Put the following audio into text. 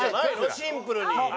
シンプルに。